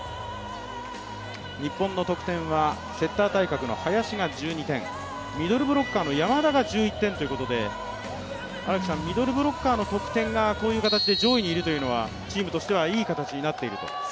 日本の得点はセッター対角の林が１２点ミドルブロッカーの山田が１１点ということでミドルブロッカーの得点が、こういう形で上位にいるというのはチームとしては、いい形になっていると。